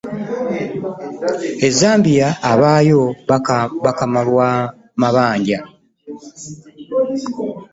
E Zambia abaayo bakaama lwa mabanja.